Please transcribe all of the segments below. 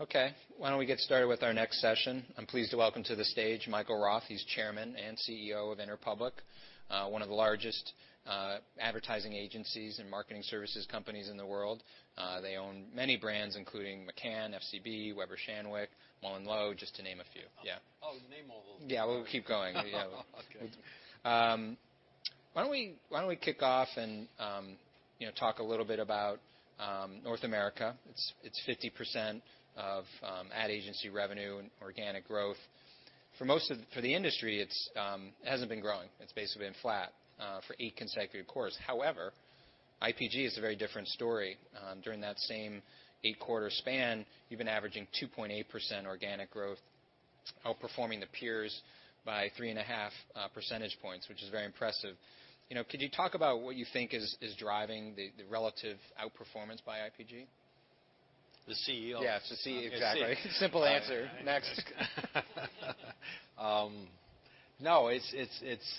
Okay. Why don't we get started with our next session? I'm pleased to welcome to the stage Michael Roth. He's chairman and CEO of Interpublic, one of the largest advertising agencies and marketing services companies in the world. They own many brands including McCann, FCB, Weber Shandwick, MullenLowe, just to name a few. Yeah. Oh, name all those. Yeah. We'll keep going. Yeah. Oh, okay. Why don't we kick off and, you know, talk a little bit about North America. It's 50% of ad agency revenue and organic growth. For most of the industry, it hasn't been growing. It's basically been flat for eight consecutive quarters. However, IPG is a very different story. During that same eight-quarter span, you've been averaging 2.8% organic growth, outperforming the peers by three and a half percentage points, which is very impressive. You know, could you talk about what you think is driving the relative outperformance by IPG? The CEO? Yeah. It's the CEO. Exactly. Simple answer. Next. No. It's,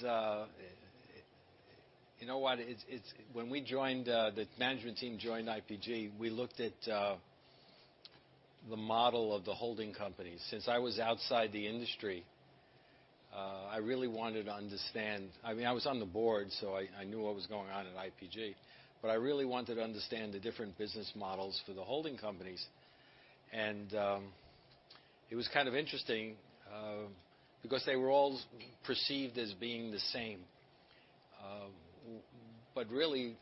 you know what? It's when we joined, the management team joined IPG. We looked at the model of the holding companies. Since I was outside the industry, I really wanted to understand. I mean, I was on the board, so I knew what was going on at IPG. But I really wanted to understand the different business models for the holding companies. It was kind of interesting, because they were all perceived as being the same, but really,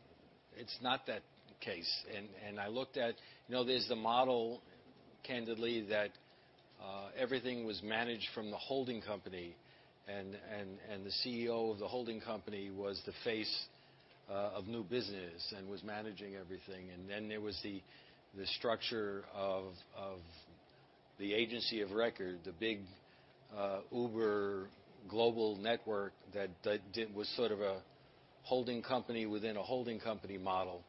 it's not that case. I looked at, you know, there's the model, candidly, that everything was managed from the holding company. The CEO of the holding company was the face of new business and was managing everything. And then there was the structure of the agency of record, the big uber global network that was sort of a holding company within a holding company model.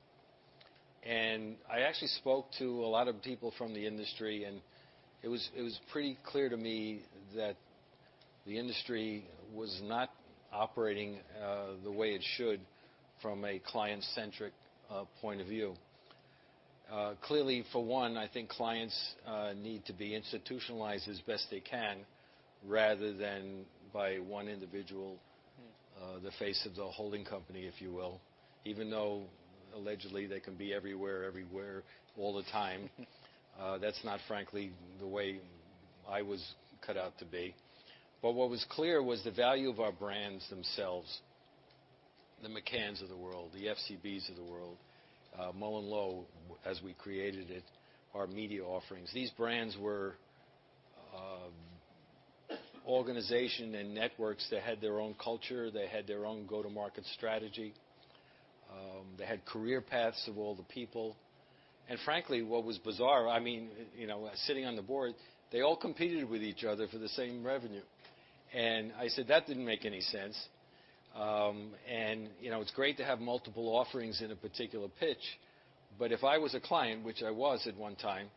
I actually spoke to a lot of people from the industry, and it was pretty clear to me that the industry was not operating the way it should from a client-centric point of view. Clearly, for one, I think clients need to be institutionalized as best they can rather than by one individual, the face of the holding company, if you will. Even though allegedly they can be everywhere all the time, that's not, frankly, the way I was cut out to be. But what was clear was the value of our brands themselves, the McCanns of the world, the FCBs of the world, MullenLowe, as we created it, our media offerings. These brands were organizations and networks that had their own culture. They had their own go-to-market strategy. They had career paths for all the people. Frankly, what was bizarre, I mean, you know, sitting on the board, they all competed with each other for the same revenue. I said, "That didn't make any sense." You know, it's great to have multiple offerings in a particular pitch. But if I was a client, which I was at one time,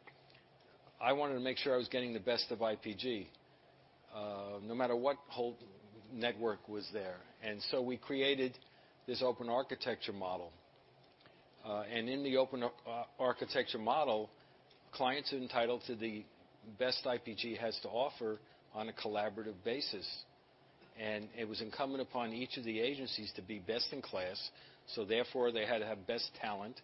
I wanted to make sure I was getting the best of IPG, no matter what holding network was there. So we created this open architecture model. In the open architecture model, clients are entitled to the best IPG has to offer on a collaborative basis. It was incumbent upon each of the agencies to be best in class. So therefore, they had to have best talent,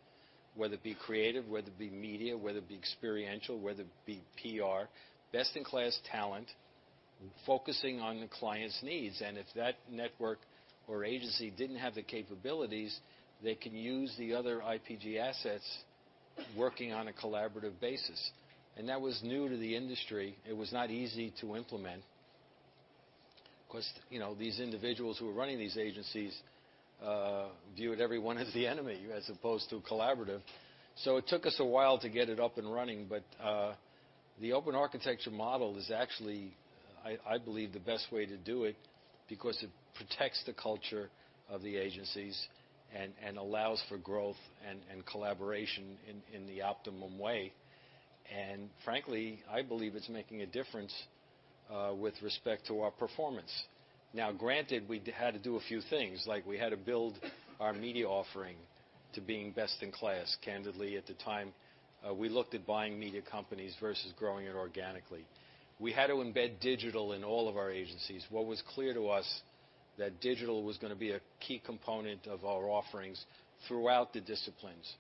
whether it be creative, whether it be media, whether it be experiential, whether it be PR, best in class talent focusing on the client's needs. And if that network or agency didn't have the capabilities, they can use the other IPG assets working on a collaborative basis. And that was new to the industry. It was not easy to implement because, you know, these individuals who were running these agencies viewed everyone as the enemy as opposed to collaborative. So it took us a while to get it up and running. But the open architecture model is actually I believe the best way to do it because it protects the culture of the agencies and allows for growth and collaboration in the optimum way. And frankly, I believe it's making a difference with respect to our performance. Now, granted, we had to do a few things. Like, we had to build our media offering to being best in class. Candidly, at the time, we looked at buying media companies versus growing it organically. We had to embed digital in all of our agencies. What was clear to us that digital was gonna be a key component of our offerings throughout the disciplines,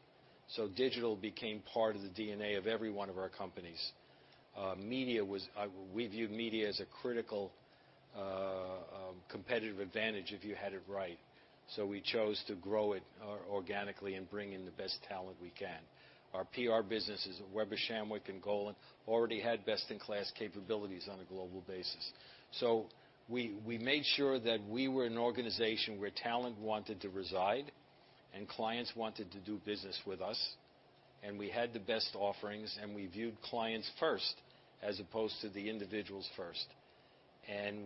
so digital became part of the DNA of every one of our companies. We viewed media as a critical, competitive advantage if you had it right, so we chose to grow it organically and bring in the best talent we can. Our PR businesses, Weber Shandwick and Golin, already had best in class capabilities on a global basis, so we made sure that we were an organization where talent wanted to reside and clients wanted to do business with us. We had the best offerings, and we viewed clients first as opposed to the individuals first.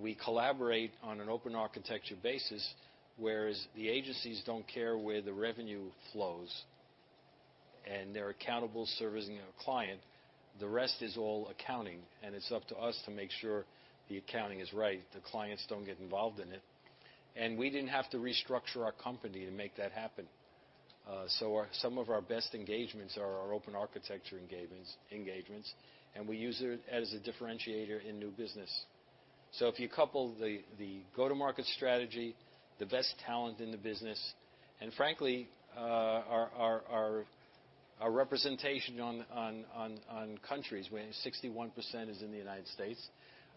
We collaborate on an open architecture basis, whereas the agencies don't care where the revenue flows, and they're accountable servicing a client. The rest is all accounting, and it's up to us to make sure the accounting is right, the clients don't get involved in it. We didn't have to restructure our company to make that happen. Some of our best engagements are our open architecture engagements, and we use it as a differentiator in new business. If you couple the go-to-market strategy, the best talent in the business, and frankly, our representation in countries where 61% is in the United States,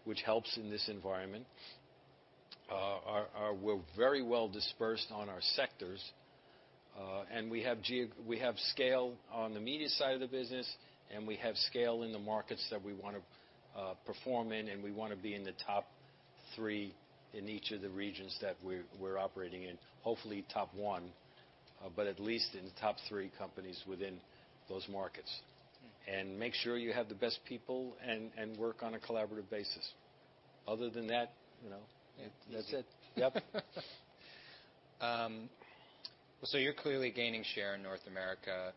which helps in this environment, and we're very well dispersed on our sectors. And we have scale on the media side of the business, and we have scale in the markets that we wanna perform in, and we wanna be in the top three in each of the regions that we're operating in, hopefully top one, but at least in the top three companies within those markets. And make sure you have the best people and work on a collaborative basis. Other than that, you know, that's it. Yep. So you're clearly gaining share in North America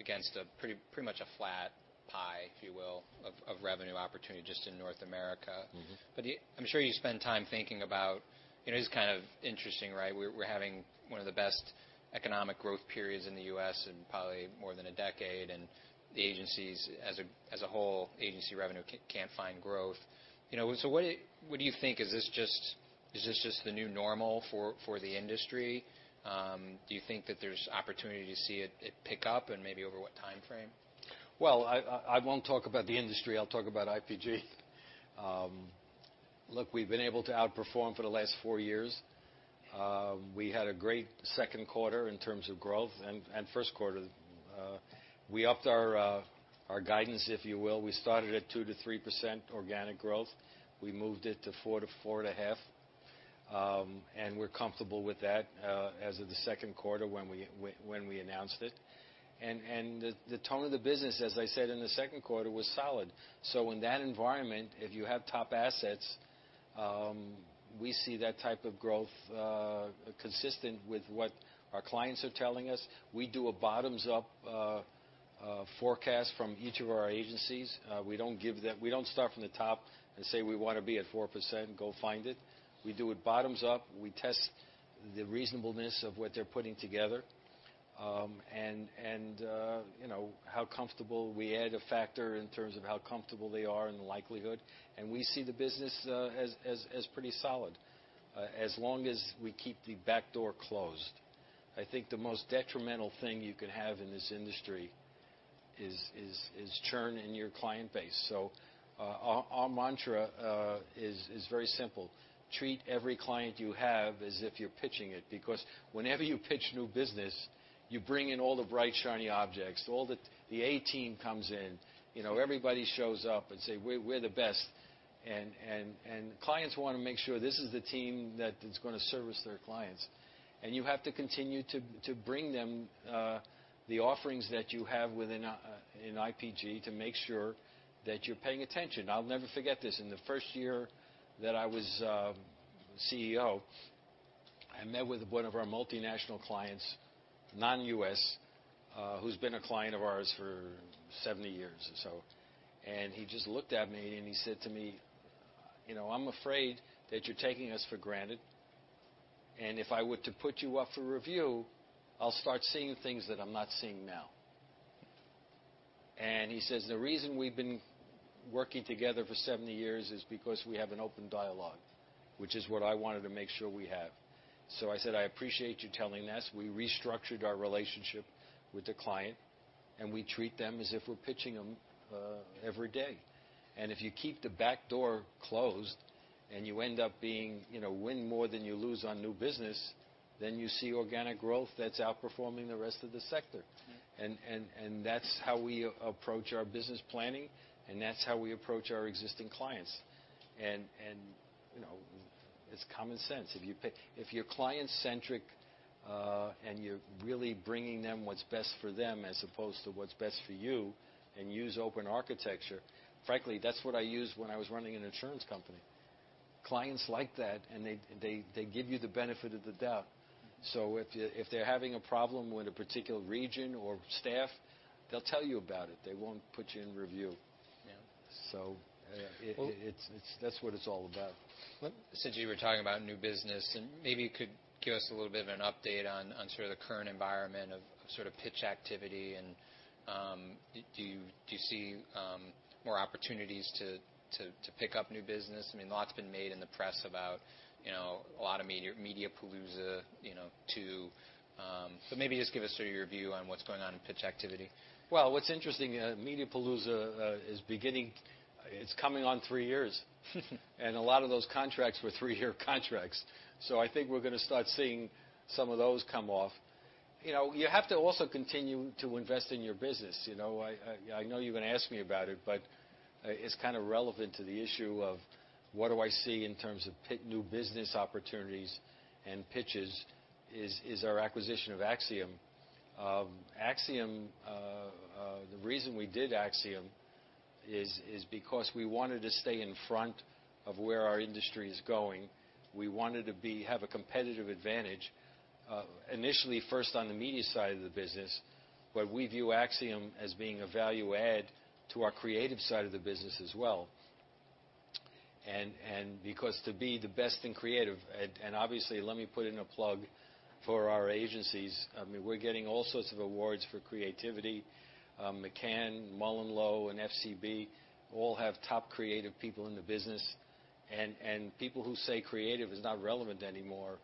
against a pretty, pretty much a flat pie, if you will, of revenue opportunity just in North America. Mm-hmm. But, you know, I'm sure you spend time thinking about, you know, it's kind of interesting, right? We're having one of the best economic growth periods in the U.S. in probably more than a decade, and the agencies as a whole, agency revenue can't find growth. You know, so what do you think? Is this just the new normal for the industry? Do you think that there's opportunity to see it pick up and maybe over what time frame? I won't talk about the industry. I'll talk about IPG. Look, we've been able to outperform for the last four years. We had a great second quarter in terms of growth and first quarter. We upped our guidance, if you will. We started at 2%-3% organic growth. We moved it to 4%-4.5%. We're comfortable with that as of the second quarter when we announced it. The tone of the business, as I said in the second quarter, was solid. In that environment, if you have top assets, we see that type of growth, consistent with what our clients are telling us. We do a bottoms-up forecast from each of our agencies. We don't give that. We don't start from the top and say, "We wanna be at 4%. Go find it." We do it bottoms-up. We test the reasonableness of what they're putting together and you know how comfortable we add a factor in terms of how comfortable they are and the likelihood. And we see the business as pretty solid, as long as we keep the back door closed. I think the most detrimental thing you can have in this industry is churn in your client base. So, our mantra is very simple. Treat every client you have as if you're pitching it because whenever you pitch new business, you bring in all the bright, shiny objects, all the A team comes in. You know, everybody shows up and say, "We're the best." And clients wanna make sure this is the team that is gonna service their clients. You have to continue to bring them the offerings that you have in IPG to make sure that you're paying attention. I'll never forget this. In the first year that I was CEO, I met with one of our multinational clients, non-U.S., who's been a client of ours for 70 years or so. He just looked at me and he said to me, you know, "I'm afraid that you're taking us for granted. And if I were to put you up for review, I'll start seeing things that I'm not seeing now." And he says, "The reason we've been working together for 70 years is because we have an open dialogue, which is what I wanted to make sure we have." So I said, "I appreciate you telling us." We restructured our relationship with the client, and we treat them as if we're pitching them, every day. And if you keep the back door closed and you end up being, you know, win more than you lose on new business, then you see organic growth that's outperforming the rest of the sector. And that's how we approach our business planning, and that's how we approach our existing clients. And you know, it's common sense. If you're client-centric, and you're really bringing them what's best for them as opposed to what's best for you and use open architecture, frankly, that's what I used when I was running an insurance company. Clients like that, and they give you the benefit of the doubt. So if they're having a problem with a particular region or staff, they'll tell you about it. They won't put you in review. Yeah. So, that's what it's all about. Since you were talking about new business, and maybe you could give us a little bit of an update on sort of the current environment of sort of pitch activity and do you see more opportunities to pick up new business? I mean, a lot's been made in the press about, you know, a lot of Mediapalooza, you know, too, but maybe just give us sort of your view on what's going on in pitch activity. What's interesting, Mediapalooza is beginning. It's coming on three years. A lot of those contracts were three-year contracts. So I think we're gonna start seeing some of those come off. You know, you have to also continue to invest in your business. You know, I know you're gonna ask me about it, but it's kind of relevant to the issue of what I see in terms of big new business opportunities and pitches is our acquisition of Acxiom. Acxiom, the reason we did Acxiom is because we wanted to stay in front of where our industry is going. We wanted to have a competitive advantage, initially first on the media side of the business, but we view Acxiom as being a value add to our creative side of the business as well. Because to be the best in creative, obviously, let me put in a plug for our agencies. I mean, we're getting all sorts of awards for creativity. McCann, MullenLowe, and FCB all have top creative people in the business. People who say creative is not relevant anymore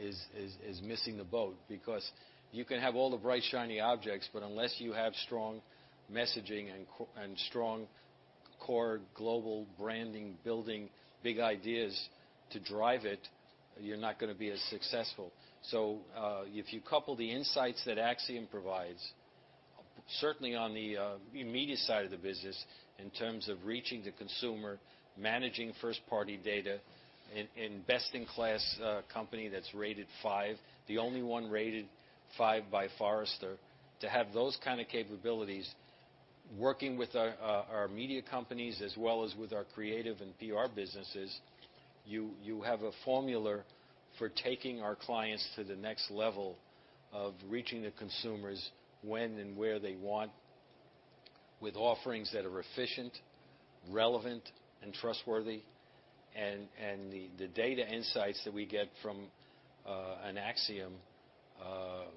is missing the boat because you can have all the bright, shiny objects, but unless you have strong messaging and strong core global branding, building big ideas to drive it, you're not gonna be as successful. So, if you couple the insights that Acxiom provides, certainly on the media side of the business in terms of reaching the consumer, managing first-party data, and best in class company that's rated five, the only one rated five by Forrester, to have those kind of capabilities working with our media companies as well as with our creative and PR businesses, you have a formula for taking our clients to the next level of reaching the consumers when and where they want with offerings that are efficient, relevant, and trustworthy. And the data insights that we get from Acxiom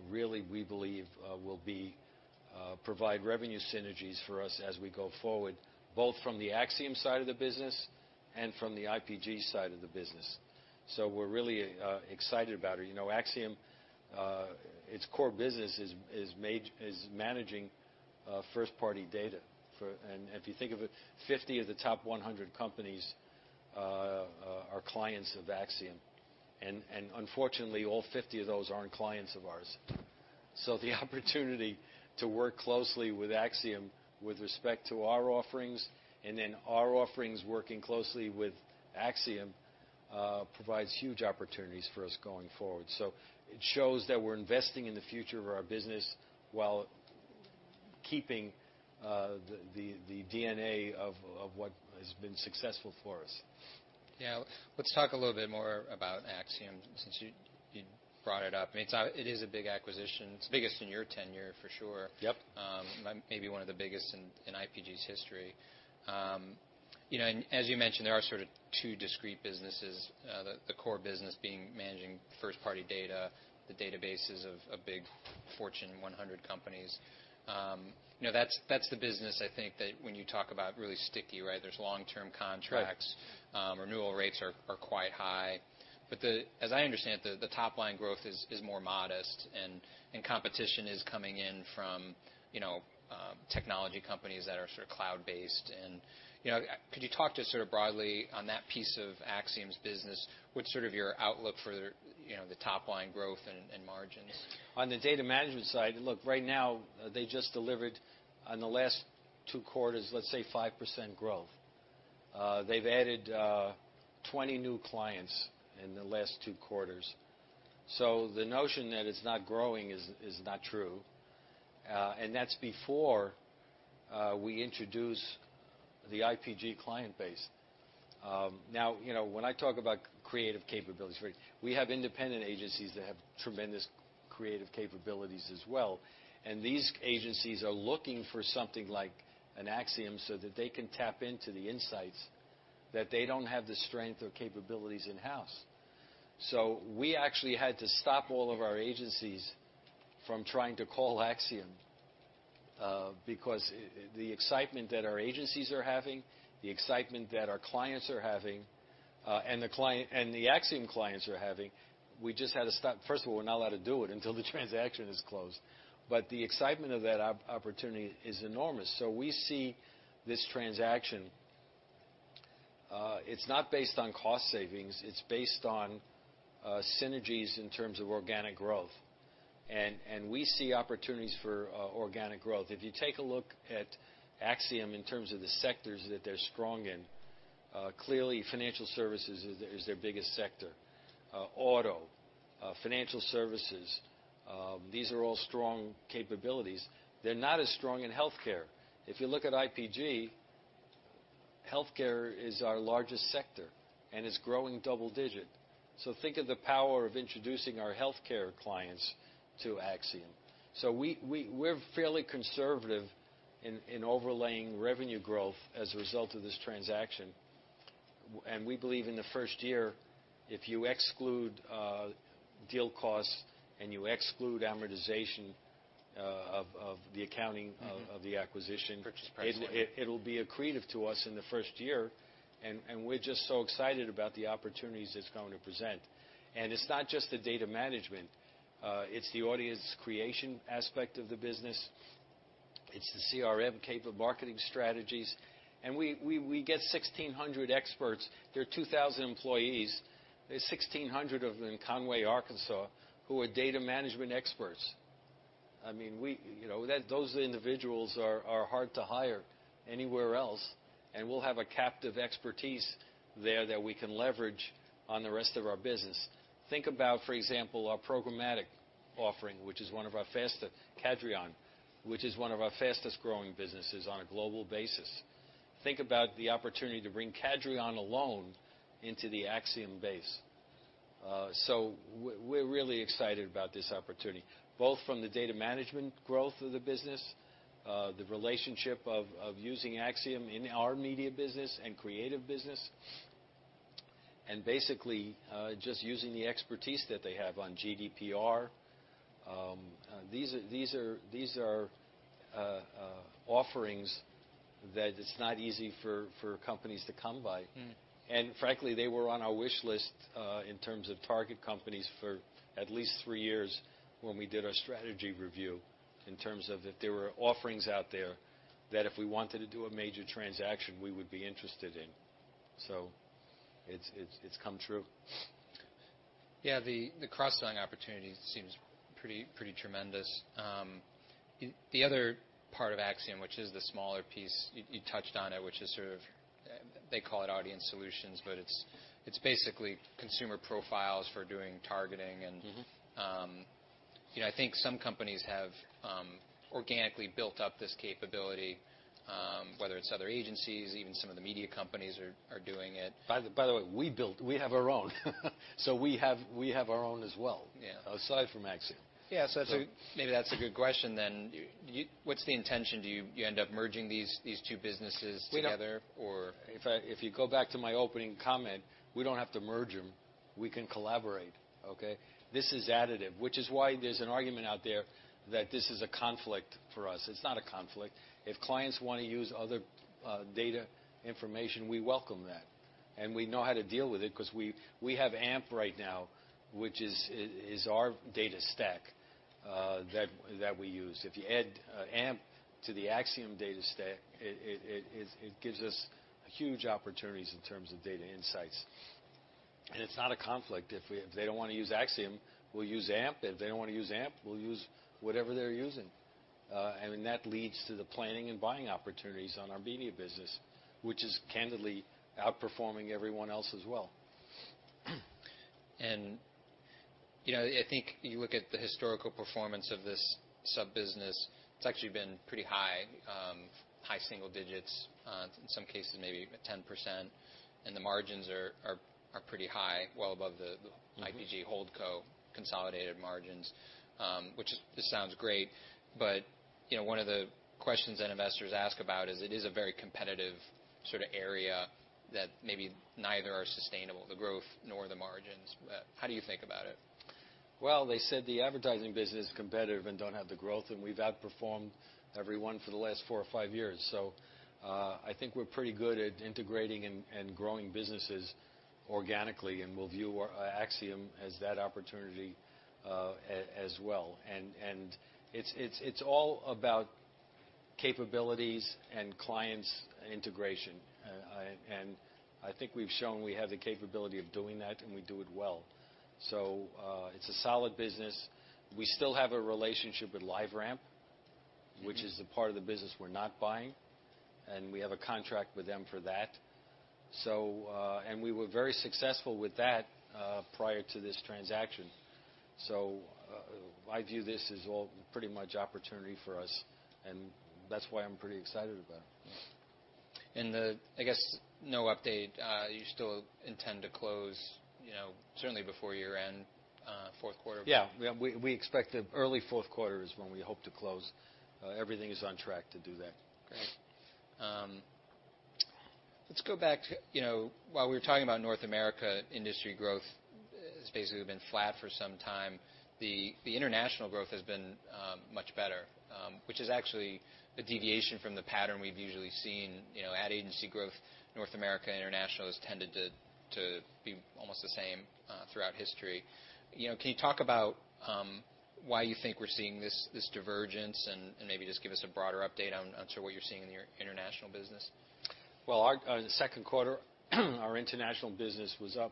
really, we believe, will provide revenue synergies for us as we go forward, both from the Acxiom side of the business and from the IPG side of the business. So we're really excited about it. You know, Acxiom, its core business is managing first-party data for, and if you think of it, 50 of the top 100 companies are clients of Acxiom. And unfortunately, all 50 of those aren't clients of ours. So the opportunity to work closely with Acxiom with respect to our offerings and then our offerings working closely with Acxiom provides huge opportunities for us going forward. So it shows that we're investing in the future of our business while keeping the DNA of what has been successful for us. Yeah. Let's talk a little bit more about Acxiom since you brought it up. I mean, it's a big acquisition. It's the biggest in your tenure for sure. Yep. Maybe one of the biggest in IPG's history. You know, and as you mentioned, there are sort of two discrete businesses, the core business being managing first-party data, the databases of big Fortune 100 companies. You know, that's the business, I think, that when you talk about really sticky, right? There's long-term contracts. Right. Renewal rates are quite high. But as I understand, the top-line growth is more modest, and competition is coming in from, you know, technology companies that are sort of cloud-based. And, you know, could you talk just sort of broadly on that piece of Acxiom's business? What's sort of your outlook for, you know, the top-line growth and margins? On the data management side, look, right now, they just delivered on the last two quarters, let's say 5% growth. They've added 20 new clients in the last two quarters. So the notion that it's not growing is not true. And that's before we introduce the IPG client base. Now, you know, when I talk about creative capabilities, right, we have independent agencies that have tremendous creative capabilities as well. And these agencies are looking for something like an Acxiom so that they can tap into the insights that they don't have the strength or capabilities in-house. So we actually had to stop all of our agencies from trying to call Acxiom, because the excitement that our agencies are having, the excitement that our clients are having, and the client and the Acxiom clients are having, we just had to stop. First of all, we're not allowed to do it until the transaction is closed, but the excitement of that opportunity is enormous, so we see this transaction. It's not based on cost savings. It's based on synergies in terms of organic growth, and we see opportunities for organic growth. If you take a look at Acxiom in terms of the sectors that they're strong in, clearly, financial services is their biggest sector. Auto, financial services, these are all strong capabilities. They're not as strong in healthcare. If you look at IPG, healthcare is our largest sector, and it's growing double-digit. So think of the power of introducing our healthcare clients to Acxiom, so we're fairly conservative in overlaying revenue growth as a result of this transaction. And we believe in the first year, if you exclude deal costs and you exclude amortization of the accounting of the acquisition. Purchase pricing. It will be accretive to us in the first year. We're just so excited about the opportunities it's going to present. It's not just the data management. It's the audience creation aspect of the business. It's the CRM capable marketing strategies. We get 1,600 experts. There are 2,000 employees. There's 1,600 of them in Conway, Arkansas, who are data management experts. I mean, you know, those individuals are hard to hire anywhere else. We'll have a captive expertise there that we can leverage on the rest of our business. Think about, for example, our programmatic offering, which is Cadreon, one of our fastest-growing businesses on a global basis. Think about the opportunity to bring Cadreon alone into the Acxiom base. So we're really excited about this opportunity, both from the data management growth of the business, the relationship of using Acxiom in our media business and creative business, and basically, just using the expertise that they have on GDPR. These are offerings that it's not easy for companies to come by. And frankly, they were on our wish list, in terms of target companies for at least three years when we did our strategy review in terms of if there were offerings out there that if we wanted to do a major transaction, we would be interested in. So it's come true. Yeah. The cross-selling opportunity seems pretty, pretty tremendous. The other part of Acxiom, which is the smaller piece, you touched on it, which is sort of, they call it audience solutions, but it's basically consumer profiles for doing targeting and. Mm-hmm. You know, I think some companies have organically built up this capability, whether it's other agencies, even some of the media companies are doing it. By the way, we have our own. So we have our own as well. Yeah. Aside from Acxiom. Yeah. So that's maybe a good question then. You, what's the intention? Do you end up merging these two businesses together or? We don't, if you go back to my opening comment, we don't have to merge them. We can collaborate. Okay? This is additive, which is why there's an argument out there that this is a conflict for us. It's not a conflict. If clients want to use other data information, we welcome that. And we know how to deal with it because we have AMP right now, which is our data stack that we use. If you add AMP to the Acxiom data stack, it gives us huge opportunities in terms of data insights. And it's not a conflict. If they don't want to use Acxiom, we'll use AMP. If they don't want to use AMP, we'll use whatever they're using. and that leads to the planning and buying opportunities on our media business, which is candidly outperforming everyone else as well. You know, I think you look at the historical performance of this sub-business. It's actually been pretty high, high single digits, in some cases maybe 10%. And the margins are pretty high, well above the IPG holdco consolidated margins, which this sounds great. But you know, one of the questions that investors ask about is it is a very competitive sort of area that maybe neither are sustainable, the growth nor the margins. How do you think about it? They said the advertising business is competitive and don't have the growth, and we've outperformed everyone for the last four or five years. I think we're pretty good at integrating and growing businesses organically, and we'll view our Acxiom as that opportunity as well. It's all about capabilities and client integration. I think we've shown we have the capability of doing that, and we do it well. It's a solid business. We still have a relationship with LiveRamp. Mm-hmm. Which is the part of the business we're not buying. And we have a contract with them for that. So, and we were very successful with that, prior to this transaction. So, I view this as all pretty much opportunity for us. And that's why I'm pretty excited about it. Yeah. And then I guess no update. You still intend to close, you know, certainly before year-end, fourth quarter? Yeah. We expect the early fourth quarter is when we hope to close. Everything is on track to do that. Great. Let's go back to, you know, while we were talking about North America industry growth, it's basically been flat for some time. The international growth has been much better, which is actually a deviation from the pattern we've usually seen, you know, at agency growth. North America international has tended to be almost the same, throughout history. You know, can you talk about why you think we're seeing this divergence and maybe just give us a broader update on sort of what you're seeing in your international business? The second quarter, our international business was up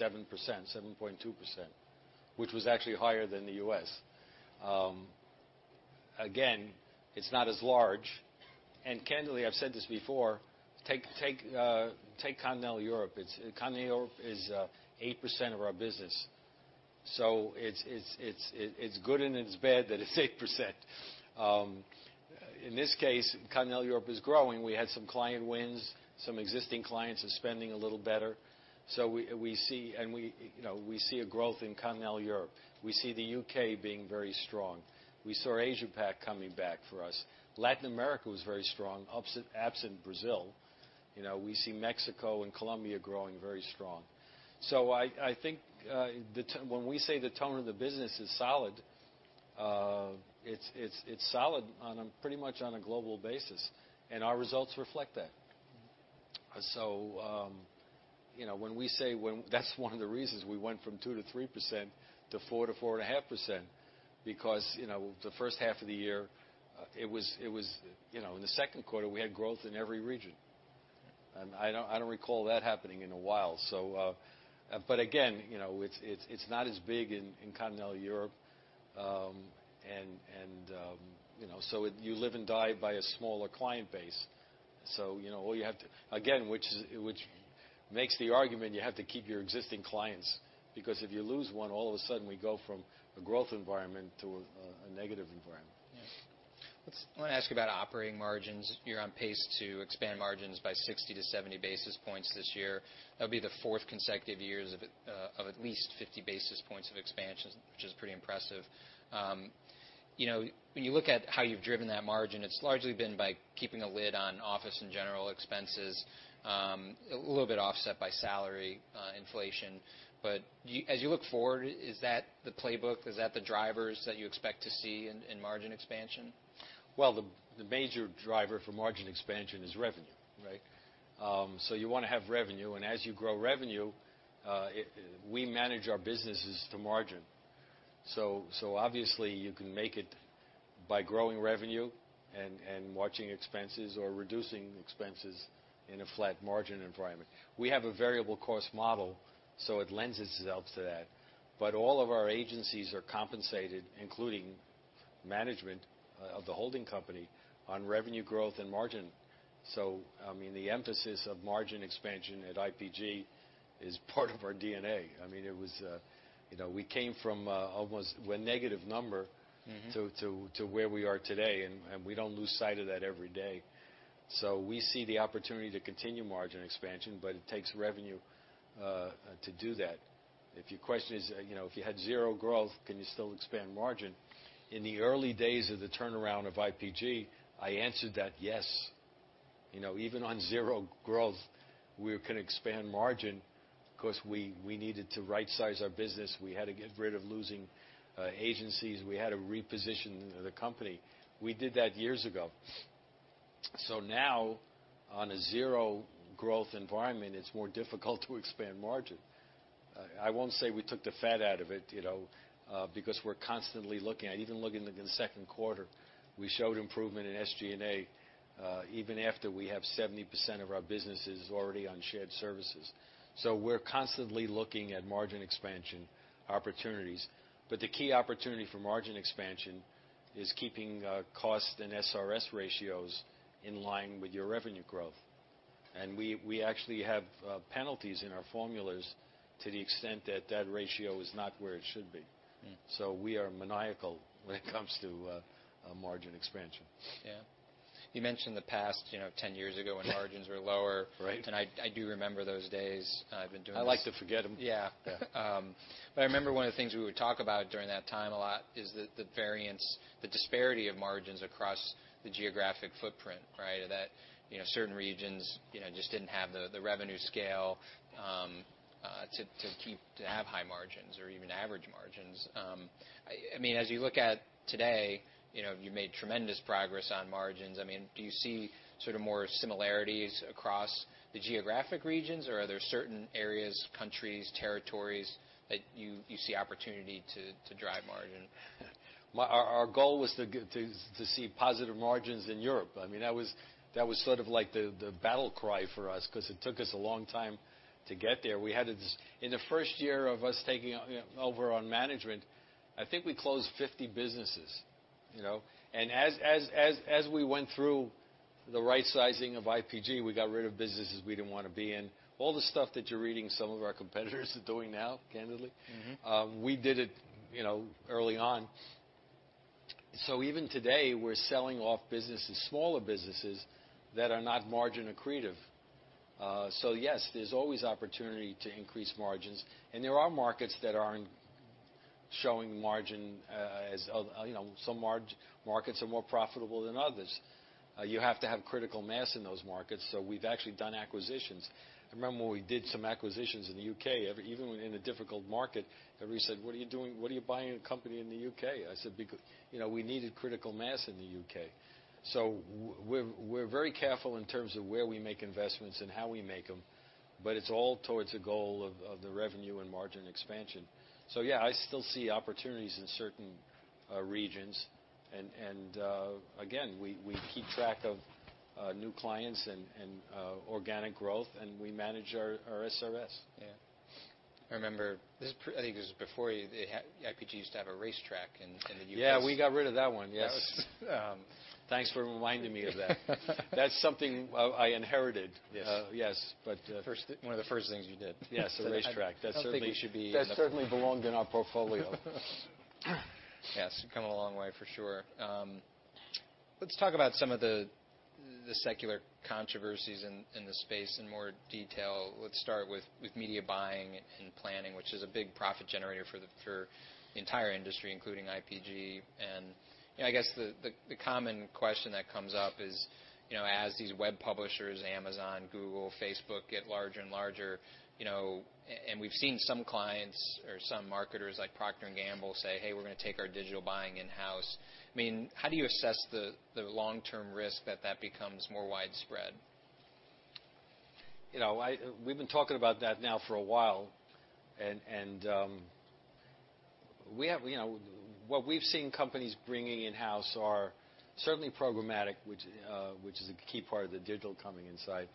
7%, 7.2%, which was actually higher than the U.S. Again, it's not as large. Candidly, I've said this before. Take Continental Europe. It's 8% of our business. So it's good and it's bad that it's 8%. In this case, Continental Europe is growing. We had some client wins. Some existing clients are spending a little better. So we see, you know, a growth in Continental Europe. We see the U.K. being very strong. We saw Asia-Pac coming back for us. Latin America was very strong, absent Brazil. You know, we see Mexico and Colombia growing very strong. So I think that when we say the tone of the business is solid, it's solid on pretty much a global basis. Our results reflect that. Mm-hmm. So, you know, when we say that's one of the reasons we went from 2%-3% to 4%-4.5% because, you know, the first half of the year, it was, you know, in the second quarter, we had growth in every region. And I don't recall that happening in a while. But again, you know, it's not as big in Continental Europe, and, you know, so it you live and die by a smaller client base. So, you know, all you have to again, which makes the argument you have to keep your existing clients because if you lose one, all of a sudden we go from a growth environment to a negative environment. Yeah. Let's. I want to ask you about operating margins. You're on pace to expand margins by 60 to 70 basis points this year. That'll be the fourth consecutive years of at least 50 basis points of expansion, which is pretty impressive. You know, when you look at how you've driven that margin, it's largely been by keeping a lid on office and general expenses, a little bit offset by salary inflation. But do you, as you look forward, is that the playbook? Is that the drivers that you expect to see in margin expansion? The major driver for margin expansion is revenue, right? So you want to have revenue. And as you grow revenue, we manage our businesses to margin. So obviously you can make it by growing revenue and watching expenses or reducing expenses in a flat margin environment. We have a variable cost model, so it lends itself to that. But all of our agencies are compensated, including management of the holding company, on revenue growth and margin. So, I mean, the emphasis of margin expansion at IPG is part of our DNA. I mean, it was, you know, we came from almost we're negative number. Mm-hmm. To where we are today, and we don't lose sight of that every day, so we see the opportunity to continue margin expansion, but it takes revenue to do that. If your question is, you know, if you had zero growth, can you still expand margin? In the early days of the turnaround of IPG, I answered that yes. You know, even on zero growth, we can expand margin because we needed to right-size our business. We had to get rid of losing agencies. We had to reposition the company. We did that years ago, so now, on a zero growth environment, it's more difficult to expand margin. I won't say we took the fat out of it, you know, because we're constantly looking at, even in the second quarter, we showed improvement in SG&A, even after we have 70% of our businesses already on shared services. So we're constantly looking at margin expansion opportunities. But the key opportunity for margin expansion is keeping cost and SRS ratios in line with your revenue growth. And we actually have penalties in our formulas to the extent that that ratio is not where it should be. So we are maniacal when it comes to margin expansion. Yeah. You mentioned the past, you know, 10 years ago when margins were lower. Right. And I do remember those days. I've been doing this. I like to forget them. Yeah. Yeah. But I remember one of the things we would talk about during that time a lot is the variance, the disparity of margins across the geographic footprint, right, that you know, certain regions, you know, just didn't have the revenue scale to keep, to have high margins or even average margins. I mean, as you look at today, you know, you made tremendous progress on margins. I mean, do you see sort of more similarities across the geographic regions, or are there certain areas, countries, territories that you see opportunity to drive margin? Our goal was to see positive margins in Europe. I mean, that was sort of like the battle cry for us because it took us a long time to get there. We had to just in the first year of us taking over on management, I think we closed 50 businesses, you know? And as we went through the right-sizing of IPG, we got rid of businesses we didn't want to be in. All the stuff that you're reading some of our competitors are doing now, candidly. Mm-hmm. We did it, you know, early on. So even today, we're selling off businesses, smaller businesses that are not margin accretive. So yes, there's always opportunity to increase margins. And there are markets that aren't showing margin, as other, you know, some markets are more profitable than others. You have to have critical mass in those markets. So we've actually done acquisitions. I remember when we did some acquisitions in the U.K., even in a difficult market, everybody said, "What are you doing? What are you buying a company in the U.K.?" I said, "Because, you know, we needed critical mass in the U.K." So we're very careful in terms of where we make investments and how we make them, but it's all towards the goal of the revenue and margin expansion. So yeah, I still see opportunities in certain regions. Again, we keep track of new clients and organic growth, and we manage our SRS. Yeah. I remember. I think this is before you. They had. IPG used to have a racetrack in the U.K. Yeah. We got rid of that one. Yes. That was. Thanks for reminding me of that. That's something I inherited. Yes. yes. But, First, one of the first things you did. Yes. So racetrack. That certainly should be. That certainly belonged in our portfolio. Yes. You've come a long way for sure. Let's talk about some of the secular controversies in the space in more detail. Let's start with media buying and planning, which is a big profit generator for the entire industry, including IPG. And, you know, I guess the common question that comes up is, you know, as these web publishers, Amazon, Google, Facebook get larger and larger, you know, and we've seen some clients or some marketers like Procter & Gamble say, "Hey, we're going to take our digital buying in-house." I mean, how do you assess the long-term risk that that becomes more widespread? You know, we've been talking about that now for a while. And we have, you know, what we've seen companies bringing in-house are certainly programmatic, which is a key part of the digital coming inside.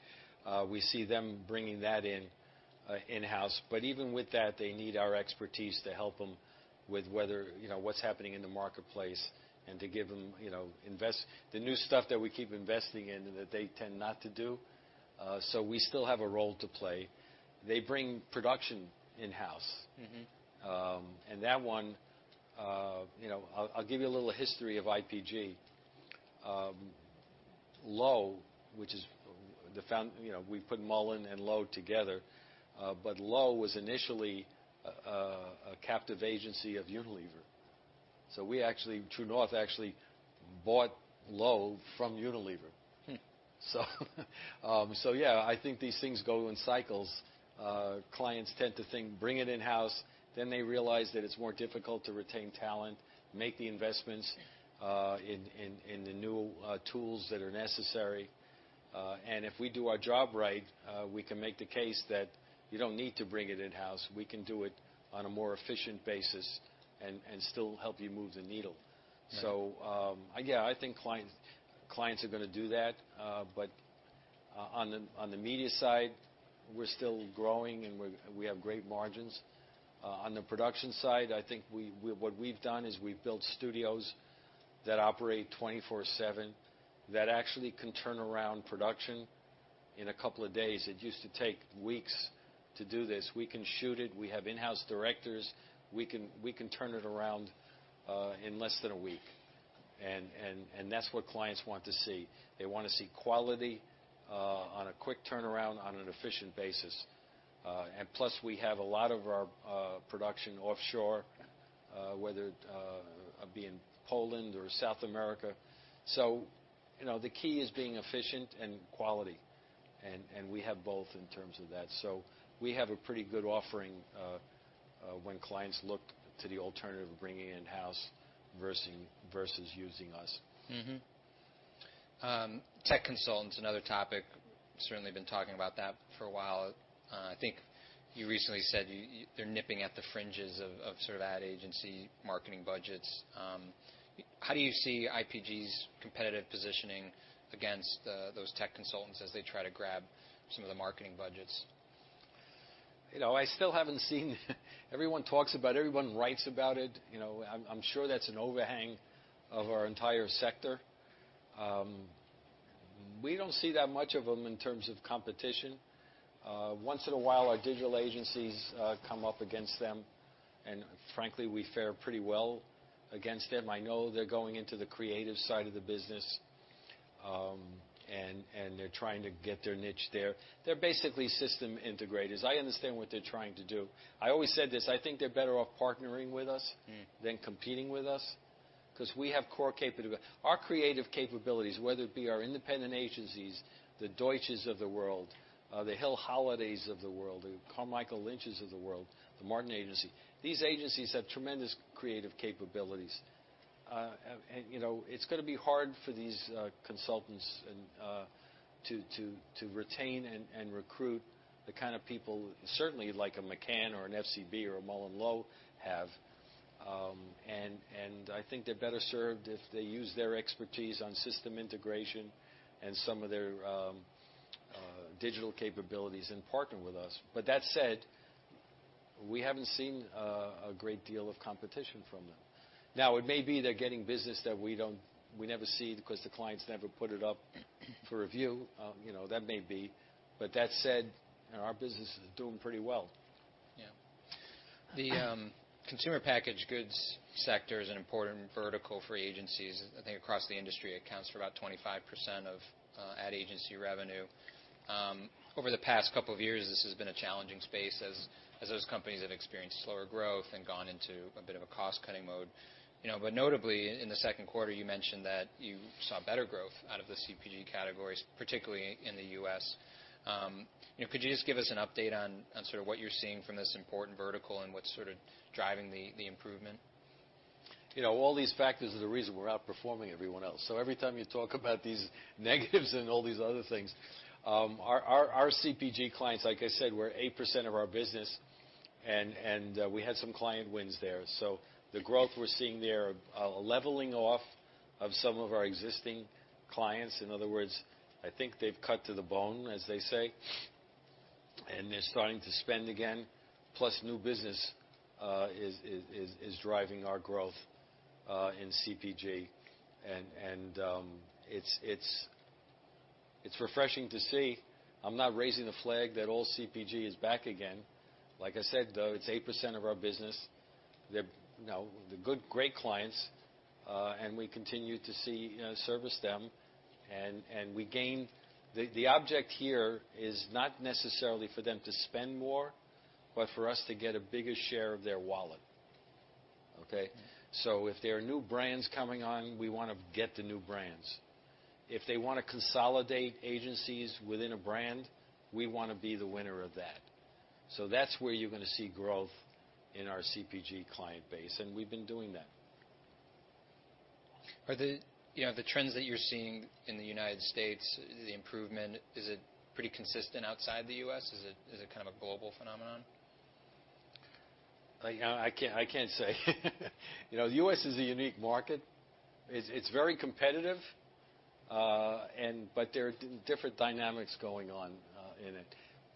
We see them bringing that in-house. But even with that, they need our expertise to help them with whether, you know, what's happening in the marketplace and to give them, you know, invest the new stuff that we keep investing in that they tend not to do. So we still have a role to play. They bring production in-house. Mm-hmm. And that one, you know, I'll, I'll give you a little history of IPG. Lowe, which is the one, you know, we put Mullen and Lowe together, but Lowe was initially a captive agency of Unilever, so we actually, True North actually bought Lowe from Unilever, so yeah, I think these things go in cycles. Clients tend to think, "Bring it in-house." Then they realize that it's more difficult to retain talent, make the investments in the new tools that are necessary, and if we do our job right, we can make the case that you don't need to bring it in-house. We can do it on a more efficient basis and still help you move the needle. Yeah. So yeah, I think clients are going to do that. But on the media side, we're still growing and we have great margins. On the production side, I think what we've done is we've built studios that operate 24/7 that actually can turn around production in a couple of days. It used to take weeks to do this. We can shoot it. We have in-house directors. We can turn it around in less than a week. And that's what clients want to see. They want to see quality on a quick turnaround on an efficient basis, and plus we have a lot of our production offshore, whether it be in Poland or South America. So you know, the key is being efficient and quality. And we have both in terms of that. So we have a pretty good offering, when clients look to the alternative of bringing in-house versus using us. Mm-hmm. Tech consultants, another topic. Certainly been talking about that for a while. I think you recently said they're nipping at the fringes of sort of ad agency marketing budgets. How do you see IPG's competitive positioning against those tech consultants as they try to grab some of the marketing budgets? You know, I still haven't seen everyone talks about everyone writes about it. You know, I'm sure that's an overhang of our entire sector. We don't see that much of them in terms of competition. Once in a while, our digital agencies come up against them. Frankly, we fare pretty well against them. I know they're going into the creative side of the business. And they're trying to get their niche there. They're basically system integrators. I understand what they're trying to do. I always said this. I think they're better off partnering with us than competing with us because we have core capabilities, our creative capabilities, whether it be our independent agencies, the Deutsch of the world, the Hill Holliday of the world, the Carmichael Lynch of the world, The Martin Agency. These agencies have tremendous creative capabilities. You know, it's going to be hard for these consultants to retain and recruit the kind of people certainly like a McCann or an FCB or a MullenLowe have. I think they're better served if they use their expertise on system integration and some of their digital capabilities and partner with us. But that said, we haven't seen a great deal of competition from them. Now, it may be they're getting business that we never see because the clients never put it up for review. You know, that may be. But that said, you know, our business is doing pretty well. Yeah. The consumer packaged goods sector is an important vertical for agencies. I think across the industry, it accounts for about 25% of ad agency revenue. Over the past couple of years, this has been a challenging space as those companies have experienced slower growth and gone into a bit of a cost-cutting mode. You know, but notably, in the second quarter, you mentioned that you saw better growth out of the CPG categories, particularly in the U.S. You know, could you just give us an update on sort of what you're seeing from this important vertical and what's sort of driving the improvement? You know, all these factors are the reason we're outperforming everyone else, so every time you talk about these negatives and all these other things, our CPG clients, like I said, we're 8% of our business, and we had some client wins there, so the growth we're seeing there, leveling off of some of our existing clients. In other words, I think they've cut to the bone, as they say, and they're starting to spend again. Plus, new business is driving our growth in CPG, and it's refreshing to see. I'm not raising a flag that all CPG is back again. Like I said, though, it's 8% of our business. They're, you know, good, great clients, and we continue to service them. The objective here is not necessarily for them to spend more, but for us to get a bigger share of their wallet. Okay? Mm-hmm. So if there are new brands coming on, we want to get the new brands. If they want to consolidate agencies within a brand, we want to be the winner of that. So that's where you're going to see growth in our CPG client base. And we've been doing that. Are the, you know, the trends that you're seeing in the United States, the improvement, is it pretty consistent outside the U.S.? Is it kind of a global phenomenon? I can't say. You know, the U.S. is a unique market. It's very competitive. But there are different dynamics going on in it.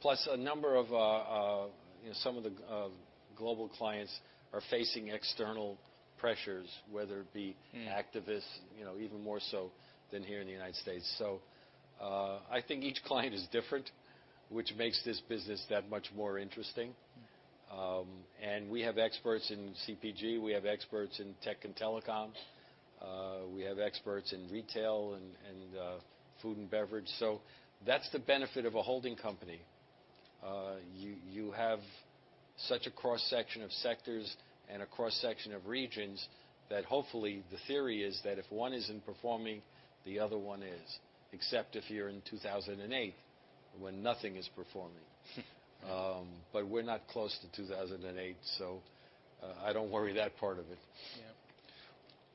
Plus, a number of, you know, some of the global clients are facing external pressures, whether it be activists, you know, even more so than here in the United States. So, I think each client is different, which makes this business that much more interesting. We have experts in CPG. We have experts in tech and telecom. We have experts in retail and food and beverage. So that's the benefit of a holding company. You have such a cross-section of sectors and a cross-section of regions that hopefully the theory is that if one isn't performing, the other one is, except if you're in 2008 when nothing is performing. But we're not close to 2008, so, I don't worry that part of it. Yeah.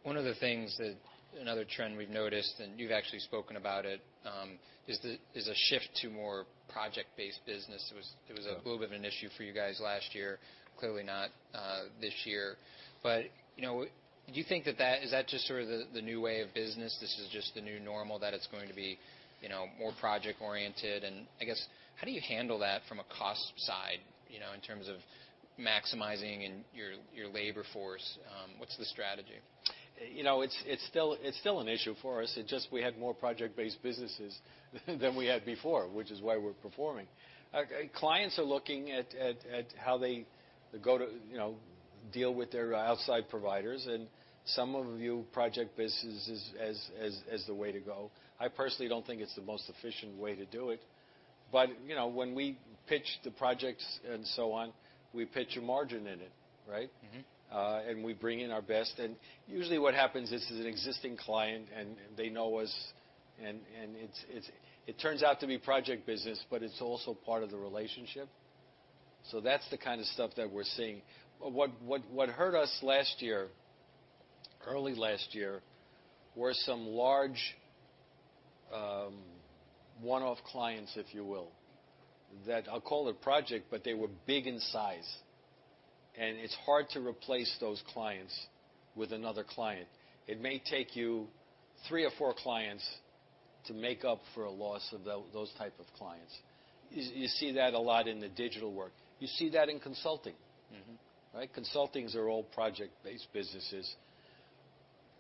One of the things that another trend we've noticed, and you've actually spoken about it, is a shift to more project-based business. It was a. Mm-hmm. A little bit of an issue for you guys last year. Clearly not, this year. But, you know, do you think that is just sort of the new way of business? This is just the new normal that it's going to be, you know, more project-oriented? And I guess, how do you handle that from a cost side, you know, in terms of maximizing your labor force? What's the strategy? You know, it's still an issue for us. It's just we have more project-based businesses than we had before, which is why we're performing. Clients are looking at how they go to, you know, deal with their outside providers, and some of the project businesses is the way to go. I personally don't think it's the most efficient way to do it. But, you know, when we pitch the projects and so on, we pitch a margin in it, right? Mm-hmm. And we bring in our best. And usually what happens is an existing client and they know us. And it turns out to be project business, but it's also part of the relationship. So that's the kind of stuff that we're seeing. But what hurt us last year, early last year, were some large, one-off clients, if you will, that I'll call it project, but they were big in size. And it's hard to replace those clients with another client. It may take you three or four clients to make up for a loss of those type of clients. You see that a lot in the digital work. You see that in consulting. Mm-hmm. Right? Consultings are all project-based businesses.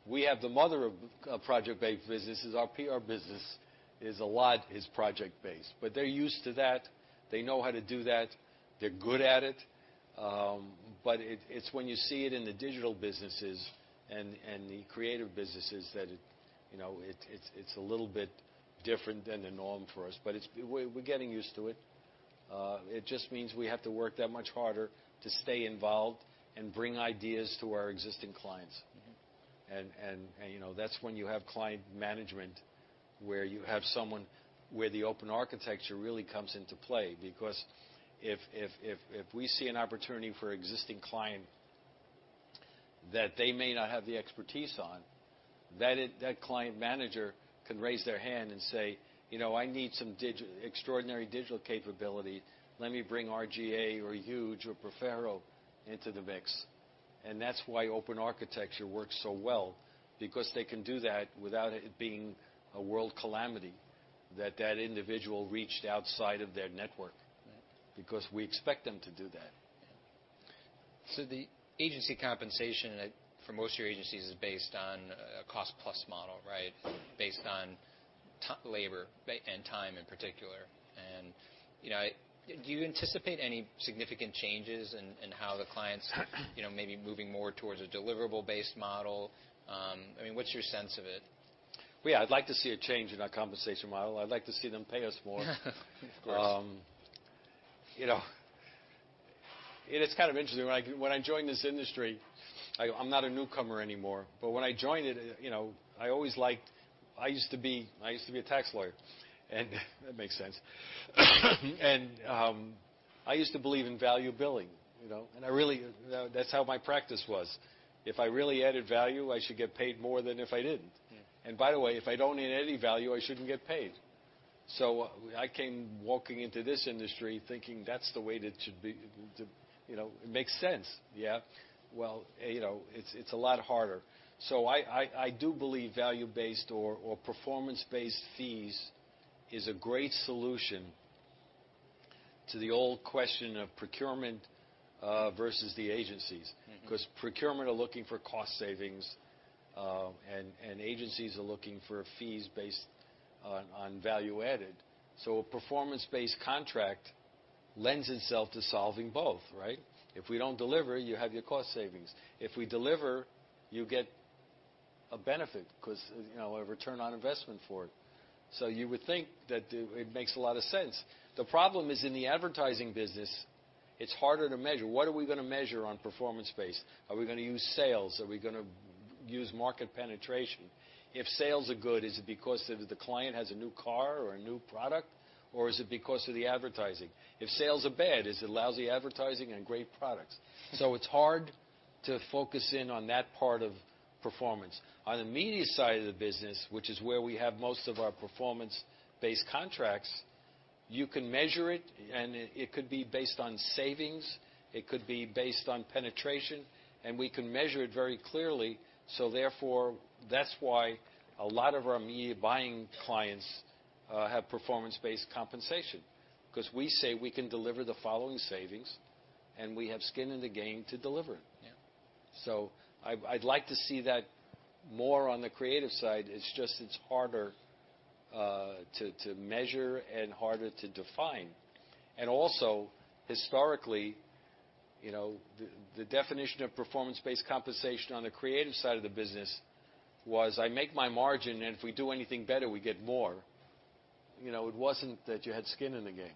We have the mother of project-based businesses. Our PR business is a lot project-based. But they're used to that. They know how to do that. They're good at it. But it's when you see it in the digital businesses and the creative businesses that it, you know, it's a little bit different than the norm for us. But we, we're getting used to it. It just means we have to work that much harder to stay involved and bring ideas to our existing clients. Mm-hmm. You know, that's when you have client management where you have someone where the open architecture really comes into play. Because if we see an opportunity for an existing client that they may not have the expertise on, that client manager can raise their hand and say, "You know, I need some extraordinary digital capability. Let me bring R/GA or Huge or Profero into the mix." That's why open architecture works so well because they can do that without it being a world calamity that the individual reached outside of their network. Right. Because we expect them to do that. Yeah. So the agency compensation for most of your agencies is based on a cost-plus model, right? Based on the labor and time in particular. You know, do you anticipate any significant changes in how the clients, you know, maybe moving more towards a deliverable-based model? I mean, what's your sense of it? Yeah, I'd like to see a change in our compensation model. I'd like to see them pay us more. Of course. You know, it is kind of interesting. When I joined this industry, I'm not a newcomer anymore. But when I joined it, you know, I always liked. I used to be a tax lawyer. And that makes sense. And I used to believe in value billing, you know? And I really, that's how my practice was. If I really added value, I should get paid more than if I didn't. And by the way, if I don't add any value, I shouldn't get paid. So I came walking into this industry thinking that's the way it should be. You know, it makes sense. Yeah, well, you know, it's a lot harder. So I do believe value-based or performance-based fees is a great solution to the old question of procurement versus the agencies. Mm-hmm. Because procurement are looking for cost savings, and agencies are looking for fees based on value added. So a performance-based contract lends itself to solving both, right? If we don't deliver, you have your cost savings. If we deliver, you get a benefit because, you know, a return on investment for it. So you would think that it makes a lot of sense. The problem is in the advertising business. It's harder to measure. What are we going to measure on performance-based? Are we going to use sales? Are we going to use market penetration? If sales are good, is it because the client has a new car or a new product? Or is it because of the advertising? If sales are bad, is it lousy advertising and great products? So it's hard to focus in on that part of performance. On the media side of the business, which is where we have most of our performance-based contracts, you can measure it. And it could be based on savings. It could be based on penetration. And we can measure it very clearly. So therefore, that's why a lot of our media buying clients have performance-based compensation because we say we can deliver the following savings, and we have skin in the game to deliver it. Yeah. So I'd like to see that more on the creative side. It's just harder to measure and harder to define. And also, historically, you know, the definition of performance-based compensation on the creative side of the business was, "I make my margin, and if we do anything better, we get more." You know, it wasn't that you had skin in the game.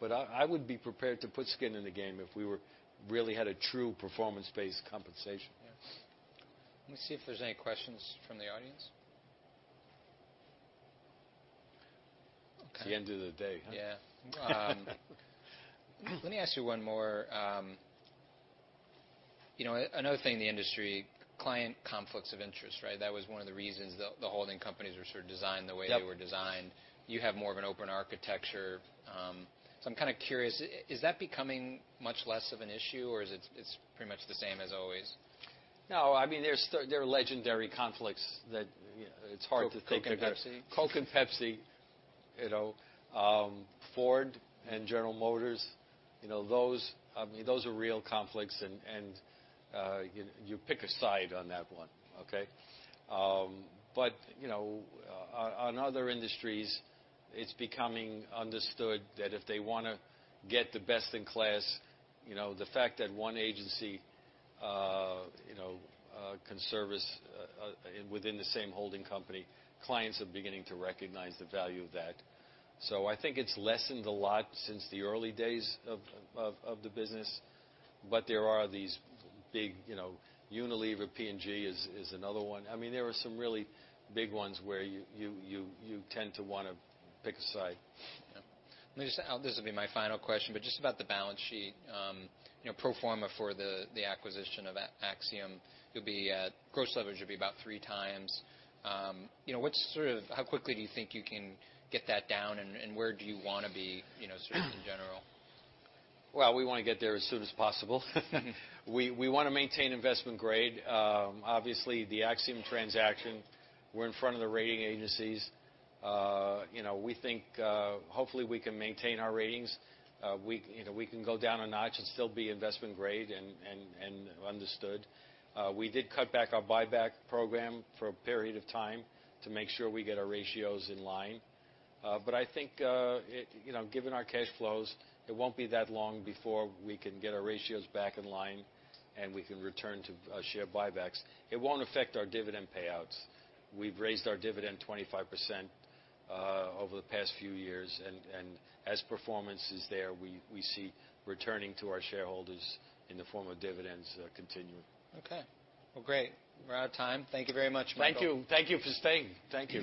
But I would be prepared to put skin in the game if we were really had a true performance-based compensation. Yeah. Let me see if there's any questions from the audience. Okay. At the end of the day. Yeah. Let me ask you one more. You know, another thing in the industry, client conflicts of interest, right? That was one of the reasons the holding companies were sort of designed the way they were designed. Yeah. You have more of an open architecture, so I'm kind of curious, is that becoming much less of an issue, or is it, it's pretty much the same as always? No. I mean, there are legendary conflicts that, you know, it's hard to think of. Coke and Pepsi. Coke and Pepsi, you know, Ford and General Motors, you know, those I mean, those are real conflicts. And, and, you pick a side on that one. Okay, but you know, on other industries, it's becoming understood that if they want to get the best in class, you know, the fact that one agency, you know, can service within the same holding company, clients are beginning to recognize the value of that. So I think it's lessened a lot since the early days of, of, of the business. But there are these big, you know, Unilever, P&G is, is another one. I mean, there are some really big ones where you, you, you, you tend to want to pick a side. Yeah. Let me just this will be my final question, but just about the balance sheet, you know, pro forma for the acquisition of Acxiom. It'll be gross leverage would be about three times, you know. What's sort of how quickly do you think you can get that down? And where do you want to be, you know, sort of in general? We want to get there as soon as possible. We want to maintain investment grade. Obviously, the Acxiom transaction, we're in front of the rating agencies. You know, we think, hopefully we can maintain our ratings. We, you know, we can go down a notch and still be investment grade and understood. We did cut back our buyback program for a period of time to make sure we get our ratios in line. But I think, you know, given our cash flows, it won't be that long before we can get our ratios back in line and we can return to share buybacks. It won't affect our dividend payouts. We've raised our dividend 25% over the past few years. As performance is there, we see returning to our shareholders in the form of dividends, continuing. Okay. Well, great. We're out of time. Thank you very much, Michael. Thank you. Thank you for staying. Thank you.